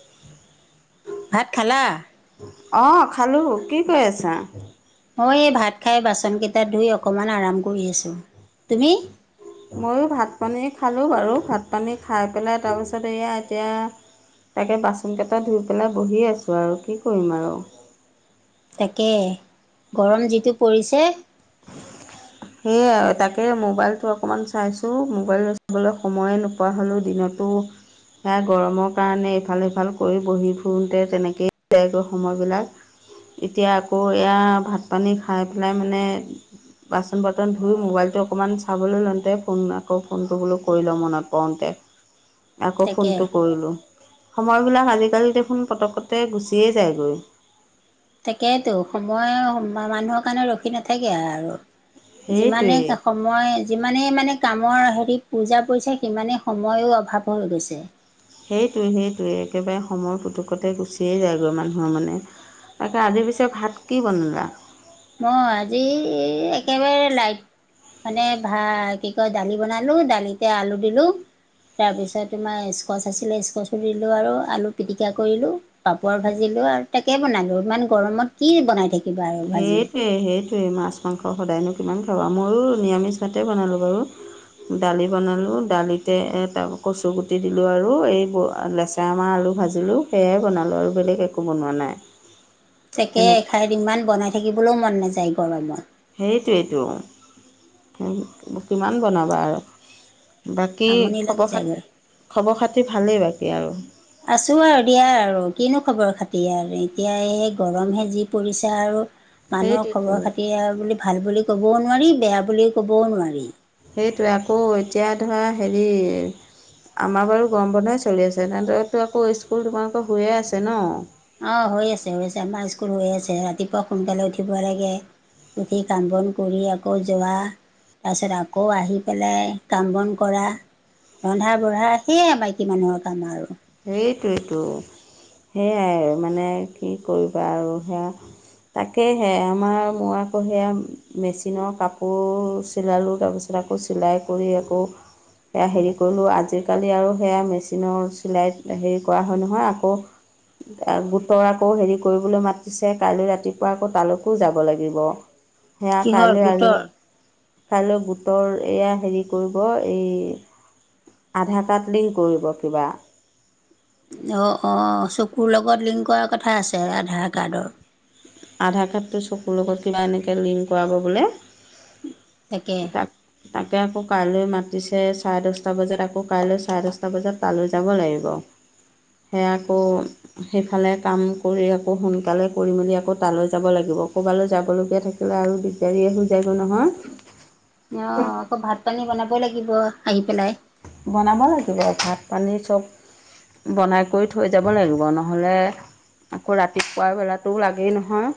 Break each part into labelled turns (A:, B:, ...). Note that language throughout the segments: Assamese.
A: [unintelligible]
B: ভাত খালা।
A: অ খালো কি কৰি আছা।
B: মই এই ভাত খাই বাচন কেইটা ধুই অকণমান আৰাম কৰি আছোঁ তুমি।
A: ময়ো ভাত পানী খালোঁ বাৰু ভাত পানী খাই পেলাই তাৰপিছত এয়া এতিয়া। তাকে বাচন কেইটা ধুই পেলাই বহি আছোঁ আৰু কি কৰিম আৰু।
B: তাকে গৰম যিটো পৰিছে।
A: সেয়াই তাকে মোবাইলটো অকমান চাইছো মোবাইল চাবলৈ সময়ে নোপ পোৱা হলো দিনতো। সেয়া গৰমৰ কাৰণে ইফাল সফাল কৰি বহি ফুৰোতে তেনেকেই। যায় গৈ সময়বিলাক এতিয়া আকৌ এয়া ভাত পানী খাই পেলাই মানে। [unintelligible] বাচন বৰ্তন ধুই মোবাইলটো অকণমান চাবলৈ লওঁতে ফোন আকৌ ফোনটো বোলো কৰি লওঁ মনত পওঁঁতে। [unintelligible] আকৌ
B: তাকে
A: ফোনটো কৰিলোঁ, সময়বিলাক আজিকালি দেখোন পতককতে গুচিয়ে যায়গ।
B: তাকেইেতো, সময় মানুহৰ কাৰণে ৰখি নাথাকে আৰু,
A: সেইটোৱে
B: যিমানেই কা [unintelligible] সময়, যিমানেই মানে কামৰ হেৰি পূজা পৰিছে, সিমানেই সময়ো অভাৱ হৈ গৈছে।
A: সেইটোৱে সেইটোৱে, একেবাৰে সময়ৰ পুতুকতে গুচিয়েই যায়গৈ মানুহৰ মানে। তাকে আজি পিছে ভাত কি বনালা?
B: মই আজি একেবাৰে লাইট। মানে ভা কি কয় দালি বনালো, দালিতে আলু দিলো তাৰপিছত তোমাৰ স্কচ আছিলে, স্কচো দিলোঁ আৰু আলু পিটিকা কৰিলোঁ। পাপৰ ভাজিলো আৰু তাকে বনালো, ইমান গৰমত কি বনাই থাকিবা। আৰু ভাজি
A: সেই এই সেইটোৱেই, মাছ মাংস সদায়নো কিমান খাব আৰু ময়ো নিৰামিষভাতে বনালোঁ বাৰু। দালি বনালোঁ, দালিতে তাৰ কচু গুটি দিলোঁ আৰু, এই লেচা এ আমাৰ আলু ভাজিলোঁ, সেয়াই বনালোঁ আৰু বেলেগ একো বনোৱা নাই।
B: তাকে
A: সেনে
B: এখাইত ইমান বনাই থাকিবলৈও মন নাযায়, গৰমত।
A: সেইৰিটোৱেইটো, কিমান বনাবা আৰু। বাকী
B: আমনি লাগি
A: খবৰ খাতি,
B: যায়গৈ
A: খবৰ খাতি ভালেই বাকী আৰু?
B: আছো আৰু দিয়া আৰু, কিনো খবৰ খাতি আৰু এতিয়া এই গৰম সেজি পৰিছে আৰু। মানুহৰ
A: সেইটোৱেতো
B: খবৰ খাতি বুলি ভাল বুলি ক'বও নোৱাৰি বেয়া বুলি ক'বও নোৱাৰি।
A: সেইটোৱে, আকৌ এতিয়া ধৰা হেৰি আমাৰ বাৰু গৰম বন্ধই চলি আছে, তেনেদৰেতো আকৌ স্কুল তোমালোকৰ হয়ে আছে ন?
B: অ হৈ আছে হৈ আছে, আমাৰ স্কুল হৈ আছে, ৰাতিপুৱা সোনকালে উঠিব লাগে উঠি কাম বন কৰি আকৌ যোৱা। তাৰপিছত আকৌ আহি পেলাই কাম বন কৰা। ৰন্ধা বঢ়া, সেয়ে মাইকী মানুহৰ কাম আৰু।
A: সেইটো এইটো, সেয়াই মানে কি কৰিবা আৰু সেয়া তাকেহে আমাৰ মই আকৌ হেয়া মেচিনৰ কাপোৰ চিলালো, তাৰপিছত কো চিলাই কৰি আকৌ, সেয়া হেৰি কৰিলোঁ, আজিকালি আৰু সেয়া মেচিনৰ চিলাইত হেৰি কৰা হয় নহয়, আকৌ গোটৰ আকৌ হেৰি কৰিবলৈ মাতিছে, কাইলৈ ৰাতিপুৱা আকৌ তালৈকো যাব লাগিব। সেয়া
B: কিহৰ
A: কাইলৈ আলো
B: গোটৰ
A: কাইলৈ বোটৰ এয়া হেৰি কৰিব, এই আধাৰ কাৰ্ড লিংক কৰিব কিবা।
B: অ' অ', চকুৰ লগত লিংক কৰাৰ কথা আছে আধাৰ কাৰ্ডৰ।
A: আধাৰ কাৰ্ডটো চকুৰ লগত কিবা এনেকে লিংক কৰাব বোলে।
B: তাকে
A: তাক তাকে আকৌ কাইলৈ মাতিছে, চাৰে দচটা বজাত আকৌ কাইলৈ চাৰে দচটা বজাত তালৈ যাব লাগিব, সেয়া আকৌ সেইফালে কাম কৰি আকৌ সোনকালে কৰি মেলি আকৌ তালৈ যাব লাগিব, ক'ৰবালৈ যাবলগীয়া থাকি কা আৰু দিগদাৰীয়ে আহি [unintelligible] যায়গ নহয়।
B: অ আকৌ ভাত - পানী বনাবই লাগিব, আহি পেলাই।
A: বনাব লাগিব, ভাত পানী চব বনাই কৰি থৈ যাব লাগিব, নহ'লে আকৌ ৰাতিপুৱা বেলাটোও লাগেই নহয়।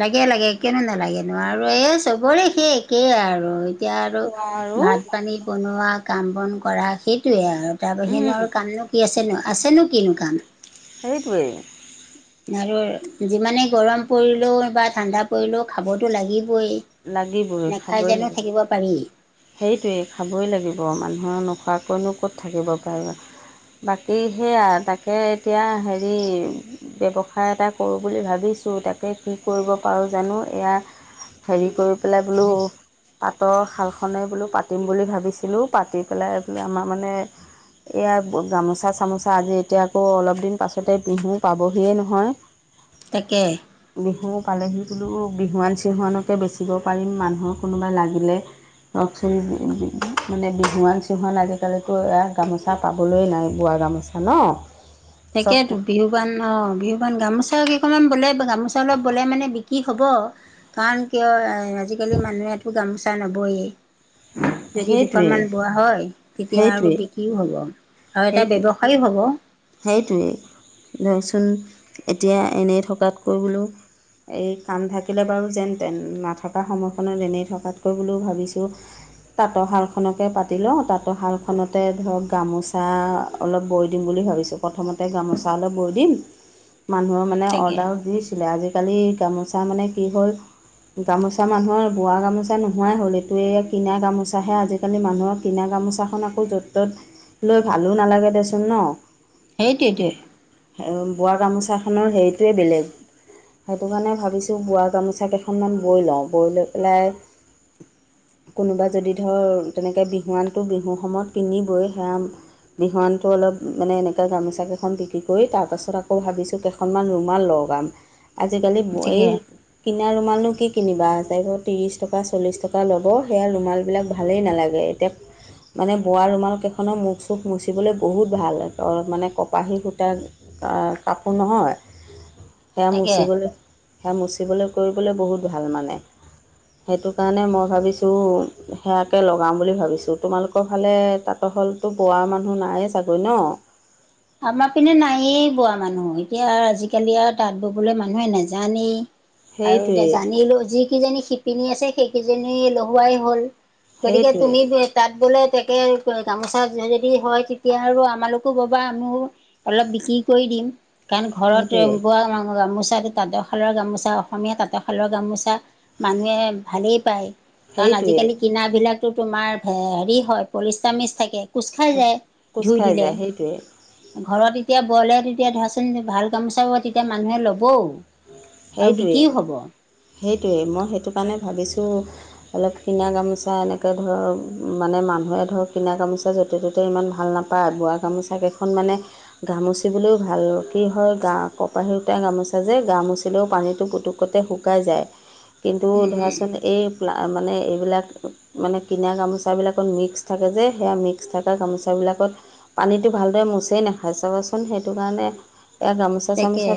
B: লাগে-লাগে কেলে নালাগেনো আৰু এই চবৰে সেই একেই আৰু এতিয়া আৰু
A: খোৱা আৰু
B: ভাত- পানী বনোৱা, কাম-বন কৰা, সেইটোৱে আৰু। তাৰ
A: উম,
B: বাহিনৰ কামনো কি আছেনো, আছেনো কিনো কাম!
A: সেইটোৱেই।
B: আৰু যিমানেই গৰম পৰিলেও বা ঠাণ্ডা পৰিলেও খাবতো লাগিবই।
A: লাগিবই
B: নেখায়
A: খাবই
B: যানো
A: লাগিব
B: থাকিব পাৰি।
A: সেইটোৱেই খাবই লাগিব, মানুহৰ নোখোৱাকৈনো ক'ত থাকিব পাৰে। বাকী সেয়া, তাকে এতিয়া হেৰি ব্যৱসায় এটা কৰো বুলি ভাবিছো তাকে কি কৰিব পাৰো জানো এয়া হেৰি কৰি পেলাই বোলো তাঁতৰ শাল খনেই বোলো পাতিম বুলি ভাবিছিলো, পাতি পেলাই বোলে আমাৰ মানে এয়া গামোচা - চামোচা আজি এতিয়া আকৌ অলপ দিন পাছতে বিহু পাবহিয়ে নহয়? [unintelligible]
B: তাকে।
A: বিহু পালেহি বোলো বিহুৱান - চিহুৱানকে বেচিব পাৰিম মানুহৰ কোনোবাই লাগিলে লকচোন বি বি মানে বিহুৱান - চিহুৱান আজিকালিতো এয়া গামোচা পাবলৈ নাই বোৱা গামোচা হ ন' চব
B: তেকেতো। বিহুৱান অ বিহুৱান গামোচা কেইখনমান বলে গামোচা অলপ বলে মানে বিক্ৰী হ'ব। কাৰণ কিয় আ আজিকালি মানুহে একো গামোচা নবয়েই। যদি দুখন
A: সেইটোৱে
B: মান বোৱা হয় তেতিয়া আৰু
A: সেইটোৱে
B: বিক্ৰীও হব আৰু এটা
A: সেইটো
B: ব্যৱ সায়ো হব।
A: সেইটোৱেই, ধৰকচোন এতিয়া এনেই থকাতকৈ বোলো এই কাম থাকিলে বাৰু যেন তেন, নাথাকা সময়খনত এনেই থকাতকৈ বুলিও ভাবিছো তাঁতৰ শালখনকে পাতি লও, তাঁতৰ শালখনতে ধৰক গামোচা অলপ বৈ দিম বুলি ভাবিছো। প্ৰথমতে গামোচা অলপ বৈ দিম, মানুহৰ মানে
B: তাকে
A: অৰ্ডাৰো দি ছিলে আজিকালি গামোচা মানে কি হ'ল গামোচা মানুহৰ বোৱা গামোচা নোহোৱাই হ'ল এইটো কিনা গামোচাহে আজি আজিকালি মানুহৰ কিনা গামোচাখন আকৌ য'ত ত'ত লৈ ভালো নালাগে দেচোন ন।
B: সেইটোৱেই টোৱে।
A: অ বোৱা গামোচাখনৰ হেৰিটোৱে বেলেগ। সেইটো কাৰণে ভাবিছো বোৱা গামোচা কেইখনমান বৈ লও, বৈ লৈ পেলাই কোনোবা যদি ধৰক তেনেকৈ বিহুৱানটো বিহু সময়ত পিন্ধিবই সেয়া বিহুৱানট অলপ মানে এনে তাতে গামোচা কেইখন বিক্ৰী কৰি তাৰ পাছত আকৌ ভাবিছো কেইখনমান ৰুমাল লগাম। আজিকালি বয়েই
B: তাকে
A: কিনা ৰুমালনো কি কিনিবা চাৰিশ ত্ৰিছ টকা চল্লিছ টকা ল'ব সেয়া ৰুমালবিলাক ভা ভালেই নালাগে এতিয়া মানে বোৱা ৰুমালকেইখনৰ মুখ চুখ মুচিবলৈ বহুত ভাল হয়। অ মানে কপাহী সূতাৰ কাপোৰ নহয়। সেয়া
B: তাকে
A: মচিবলৈ সেয়া মচিবলৈ কৰিবলৈ বহুত ভাল মানে। সেইটো কাৰণে মই ভাবিছো সেয়াকে লগাম বুলি ভাবিছো তোমালোকৰ ফালে তাত ত হলতো বোৱা মানুহ নায়েই চাগৈ ন।
B: আমাৰ পিনে নায়েই বোৱা মানুহ এতিয়া আজিকালি আৰু তাঁত ববলৈ মানুহে নাজানেই। আৰু এতিয়া
A: সেইটোৱেই
B: জানিলো যিকেইজনী শিপিনী আছে সেইকেইজনী লহুৱাই হ'ল। গতিকে
A: সেইটোৱেই
B: তুমি তাত বলে তাকে গামোচা যদি হয় তেতিয়া আৰু আমালোকো ববা। মও অলপ বিক্ৰী কৰি দিম কাৰণ ঘৰত
A: সেইটোৱেই
B: বোৱা গামোছা খিনি তাঁতৰশালৰ গামোচা অসমীয়া তাঁতৰশালৰ গামোচা মানুহে ভালেই পায়। কাৰণ
A: সেইটোৱেই
B: আজিকালি কিনা বিলাকতো তোমাৰ হেৰি হয় পলিষ্টা মিচ থাকে। কোচ খাই যায়
A: কোচ
B: ধুই
A: খাই
B: দিলে।
A: যায় সেইটোৱেই
B: ঘৰত এতিয়া বলে তেতিয়া ধৰাচোন ভাল কামো চাব তেতিয়া মানুহে ল'বও। আৰু
A: সেইটোৱেই
B: বিকিও হব।
A: সেইটোৱেই মই সেইটো কাৰণে ভাবিছো অলপ কিনা গামোচা এনেকৈ ধৰক মানে মানুহে ধৰক কিনা গামোচা য'তে ত'তে ইমান ভাল না পায় বোৱা গামোচা কেইখন মানে গা মোচিবলৈও ভাল কি হয় গা কপাহী গোটাই গামোচা যে গা মোচিলেও পানীতো পুতুকতে শু শকাই যায় কিন্তু
B: উম।
A: ধৰাচোন এই পেলায় মানে এইবিলাক মানে কিনা গামোচা বিলাকত মিক্স থাকে যে সেয়া মিক্স থকা গামোচা বিলাকত পানীতো ভালদৰে মোচেই নাখাই চাবচোন সেইটো কাৰণে এয়া গামোচা চা
B: তাকে
A: চামোচা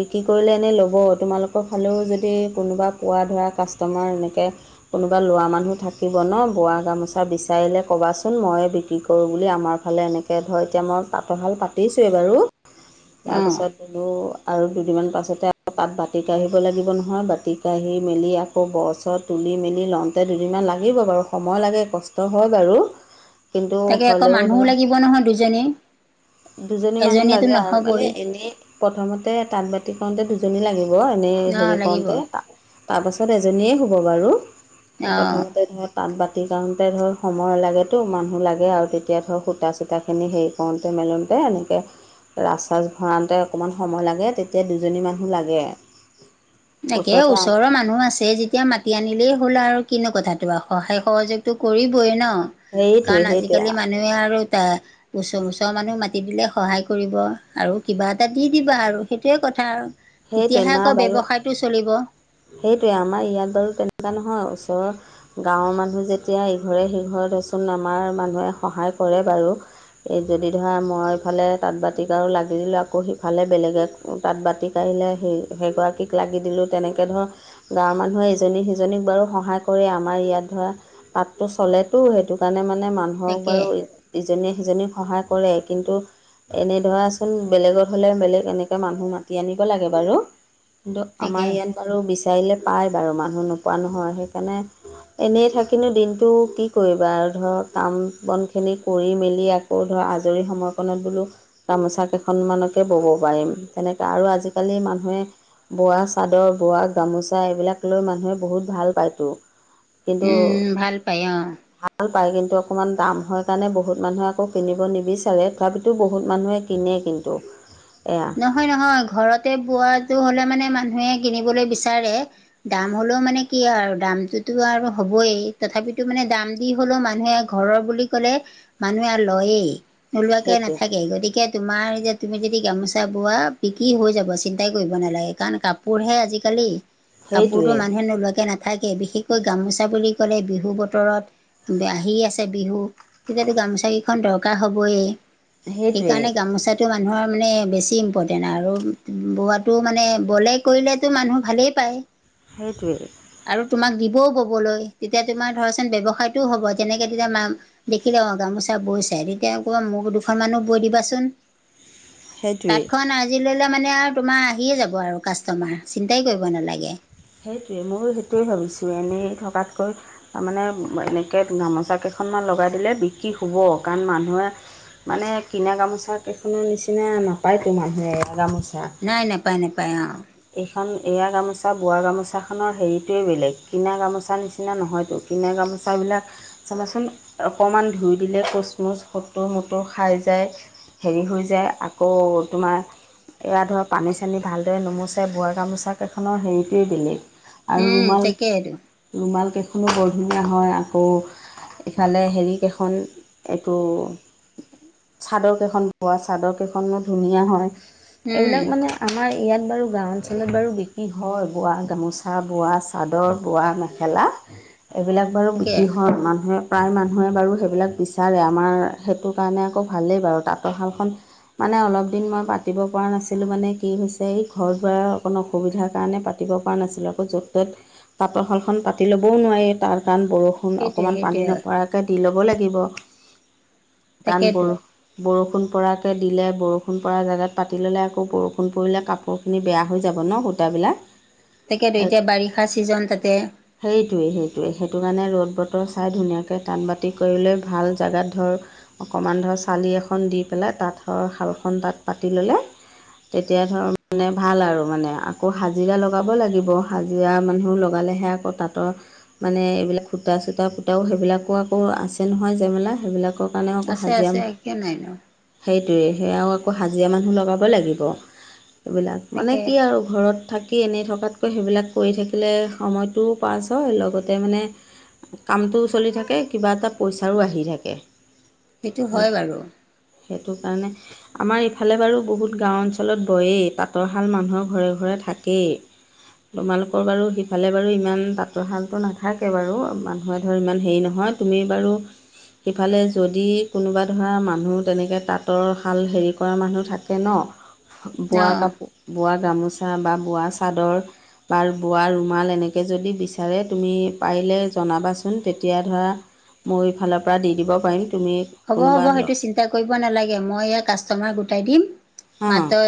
A: বিক্ৰী কৰিলে এনেই ল'ব। তোমালোকৰ ফালেও যদি। যদি কোনোবা পোৱা ধৰা কাষ্টমাৰ এনেকে কোনোবা লৰা মানুহ থাকিব ন বোৱা গামোচা বিচাৰিলে ক'বাচোন, ময়ে বৃকি কৰোঁ বুলি আমাৰ ফালে এনেকৈ ধৰ এতিয়া মই পাতৰশাল পাতিছোঁৱেই বাৰু।
B: অঁ
A: তাৰপিছত এলো আৰু দুদিনমান পাছতে আৰু তাত বাতি কাঢ়িব লাগিব নহয়। নহয়, বাতি কাঢ়ি মেলি আকৌ গছত তুলি মেলি লওঁতে দুদিনমান লাগিব বাৰু সময় লাগে কষ্ট। হয় বাৰু কিন্তু
B: তাকে আকৌ
A: হলেও
B: মানুহো
A: ধৰা।
B: লাগিব নহয় দুজনী
A: দুজনী মানুহ
B: এজনীয়েতো
A: লাগে আৰু
B: নহ'বই
A: মানে এনেই। প্ৰথমতে তাঁত বাতি কৰওঁতে দুজনী লাগিব এনে
B: ন
A: হেৰি।
B: লাগিব
A: কৰোঁতে তাৰপাছত এজনীয়ে হ'ব বাৰু।
B: অঁ
A: প্ৰথমতে ধৰক তাত বাতি কাৰণওঁতে ধৰ সময় লাগেতো মানুহ লাগে আৰু তেতিয়া ধৰ সূতা-চূতাখিনি সেই। কৰোতে মেলোতে এনেকে। আচাৰ ভৰাওঁতে অকণমান সময় লাগে, তেতিয়া দুজনী মানুহ লাগে।
B: তাকে
A: ওচৰতে
B: ওচৰৰ মানুহ আছে যেতিয়া মাতি। মাতি আনিলেই হ'ল, আৰু কিনো কথাটো সহায় সহযোগতো কৰিবই ন।
A: সেইটোৱে
B: কাৰণ
A: সেইটোৱে
B: আজিকালি মানুহে আৰু এ, ওচৰ-ওচৰ মানুহ মাতি দিলে সহায় কৰিব আৰু কিবা এটা দি দিবা আৰু সেইটোৱে কথা আৰু।
A: সেইটোৱে
B: তেতিয়াহে
A: নাই
B: আকৌ
A: বাৰু
B: ব্যৱসায়তটো চলিব।
A: সেইটোৱে আমাৰ ইয়াত বাৰু তেনেকুৱা নহয়, ওচৰৰ গাঁৱৰ মানুহ যেতিয়া ইঘৰে সিঘৰে দেচোন আমাৰ মানুহে সহায় কৰে বাৰু। এই যদি ধৰা মই ইফালে তাঁত বাতিক আৰু লাগি দিলোঁ আকৌ সিফালে বেলেগেত তাত বাতি কাঢ়িলে সেই সেইগৰাকীক লাগি দিলোঁ, তেনে তাকে ধৰ গাঁৱৰ মানুহে ইজনী সিজনীক বাৰু সহায় কৰে আমাৰ ইয়াত ধৰা। পাতটো চলেতো, সেইটো কাৰণে মানে মানুহক
B: তাকে
A: বাৰু। ইজনীয়ে সিজনীক সহায় কৰে কিন্তু। এনে ধৰাচোন বেলেগত হ'লে বেলেগ এনেকে মানুহ মাতি আনিব লাগে বাৰু। কিন্তু
B: তাকে
A: আমাৰ ইয়াত বাৰু বিচাৰিলে পায় বাৰু মানুহ নোপোৱা নহয়, সেইকাৰণে এনেই থাকিনো দিনটো কি কৰিবা আৰু ধৰ কাম বন খিনি কৰি মেলি। অ, ধৰ আজৰি সময়কণত বোলো। গামোচা কেইখনমানকে ব'ব পাৰিম, তেনেকা আৰু আজিকালি মানুহে বোৱা চাদৰ, বোৱা গামোচা এইবিলাক লৈ মানুহে বহুত ভাল পায়তো। কিন্তু
B: উম, ভাল পাই। অ,
A: ভাল পায় কিন্তু অকমান দাম হয় কাৰণে বহুত মানুহে আকৌ কিনিব নিবিচাৰে। তথাপিতো বহুত মানুহে কিনে কিন্তু এয়া
B: নহয়-নহয় ঘৰতে বোৱাটো হ'লে মানে মানুহে কিনিবলে বিচাৰে। দাম হ'লেও মানে কি আৰু দামটোতো আৰু হ'বই, তথাপিতো মানে দাম দি হলেও মানুহে ঘৰৰ বুলি ক'লে মানুহে লয়েই। নোলোৱাকে
A: সেইটোৱে
B: নাথাকে গতিকে তোমাৰ যে তুমি যদি গামোচা টা বোৱা বিক্ৰী হৈ যাব চিন্তাই কৰিব নালাগে কাৰণ কাপোৰহে আজিকালি। কাপোৰটো
A: সেইটোৱে
B: মানুহে নোলোৱাকে নাথাকে বিশেষকৈ গামোচা বুলি কলে, বিহু বতৰত বি আহি আছে বিহু তেতিয়াতো গামোচা কেইখন দৰকাৰ হ'বয়ে।
A: সেইটোৱে
B: সেইকাৰণে গামোচাটো মানুহৰ মানে বেছি অতি ইম্পৰটেণ্ট আৰু বোৱাটো মানে বলে কৰিলেতো মানুহ ভালেই পায়।
A: সেইটোৱে।
B: আৰু তোমাক দিবও কবলৈ তেতিয়া তোমাৰ ধৰাচোন ব্যৱসায়টোও হ'ব। যেনেকে তেতিয়া মা দেখিলে অ, গামোচা বৈ চাই তেতিয়া কব মোক দুখন মানো বৈ দিবাচোন?
A: সেইটোৱেই
B: তাঁতখন আজি ল'লে মানে আৰু তোমাৰ আহিয়ে যাব আৰু কাষ্টমাৰ চিন্তাই কৰিব নালাগে।
A: সেইটোৱে মই সেইটোৱে ভাবিছোঁ। এনেই থকাতকৈ তাৰমানে এনেকৈ গামোচা কেইখনমান লগাই দিলে বিক্ৰী হ'ব। কাৰণ মানুহে মানে কিনা গামোচা কেইখনৰ নিচিনা নাপায়তো মানুহে এ গামোচা।
B: নাই নেপায় নেপায় অ।
A: এইখন এয়া গামোচা বোৱা গামোচাখনৰ হেৰিটোৱেই বেলেগ, কিনা গামোচা নিচিনা নহয়তো। কিনা গামোচাবিলাক চাবাচোন অকণমান ধুই দিলে কুচমুচ হোতোৰ মতুৰ খাই যায়। হেৰি হৈ যায় আকৌ তোমাৰ এয়া ধৰ পানী- চানী ভালদৰে নুমোচ চে বোৱা গামোচা কেইখনৰ হেৰিটোৱেই বেলেগ আৰু
B: উম
A: ৰুমাল
B: তাকেইতো
A: ৰুমাল কেইখনো বৰধুনীয়া হয় আকৌ। ইফালে হেৰিকেইখন এইটো চাদৰ কেইখন বোৱা চাদৰ কেইখনো ধুনীয়া হয়,
B: উম
A: এইবিলাক মানে আমাৰ ইয়াত বাৰু গাঁও অঞ্চলত বাৰু বিক্ৰী হয় বোৱা গামোচা, বোৱা চাদৰ, বোৱা মেখেলা। এইবিলাক বাৰু
B: তাকে
A: বিক্ৰী হয় মানুহে প্ৰায় মানুহে বাৰু সেইবিলাক বিচাৰে আমাৰ সেইটো কাৰণে আকৌ ভালেই বাৰু তাঁতৰশালখন মানে অলপ দিন মই পাতিব পৰা নাছিলোঁ মানে কি হৈছে এই হৈ যোৱাৰ অকণো অসুবিধাৰ কাৰণে পাতিব পৰা নাছিলো আকৌ য'ত - ত'ত তাঁতৰশালখন পাতি ল'বও নোৱাৰি তাৰ কাণ বৰ ষুণ
B: সেইটোৱে
A: অকণমান
B: সেইটোৱে
A: পানী নপৰাকৈ দি ল'ব লাগিব
B: তাকেতো
A: কাণবোৰ। বৰষুণ পৰাকৈ দিলে, বৰষুণ পৰা জেগাত পাতি ল'লে আকৌ বৰষুণ পৰিলে কাপো বখিনি বেয়া হৈ যাব ন সূতাবিলাক।
B: তাকে
A: সেই
B: এতিয়া বাৰিষা ছিজন তাতে।
A: সেইটোৱে সেইটোৱে সেইটো কাৰণে ৰ'দ বতৰ চাই ধুনীয়াকে টান বাতি কৰি লৈ ভাল জেগাত ধৰ অকণমান ধৰ চালি এখন দি পেলাই তাতৰ শালখন তাত পাতি ল'লে তেতিয়া ধৰ মানে ভাল আৰু মানে আকৌ হাজিৰা লগাব লাগিব, হাজিৰা মানুহ লগালেহে আকৌ তাঁতৰ মানে এইবিলাক সূতা চূতা পূতাও সেইবিলাকো আকৌ আছে নহয় জেমেলা সেইবিলাক কাৰণেও আকৌ
B: আছে
A: হাজিৰা,
B: আছে কিয় নাই নো
A: সেইটোৱে সেয়া আৰু আকৌ হাজিৰা মানুহ লগাব লাগিব। এইবিলাক মানে
B: তাকে
A: কি আৰু ঘৰত থাকি এনেই থকাতকৈ সেইবিলাক কৰি থাকিলে সময়টোও পাছ হয় লগতে মানে কামটোও চলি থাকে, কিবা এটা পইচাৰো আহি থাকে।
B: সেইটো
A: সেই
B: হয় বাৰু।
A: সেইটো কাৰণে আমাৰ ইফালে বাৰু বহুত গাঁও অঞ্চলত বয়েই তাঁতৰশাল মানুহৰ ঘৰে ঘৰে থাকেই তোমালোকৰ বাৰু সিফালে বাৰু ইমান তাঁতৰশালটো নাথাকে বাৰু মানুহে ধৰ ইমান হেৰি নহয় তুমি বাৰু সিফালে যদি কোনোবা ধৰা মানুহ তেনেকে তাঁতৰ শাল হেৰি কৰা মানুহ থাকে ন বোৱা
B: অঁ
A: কাপোৰ বোৱা গামোচা বা বোৱা চাদৰ বাৰ বোৱা ৰুমাল এনেকে যদি বিচাৰে তুমি পাৰিলে জনাবাচোন তেতিয়া ধৰা মই ইফালৰ পৰা দি দিব পাৰিম তুমি
B: হ'ব
A: কোনোবা
B: হ'ব সেইটো চিন্তা কৰিব নালাগে মই ইয়াৰ কাষ্টমাৰ গোটাই দিম
A: হাঁ
B: মাত্ৰ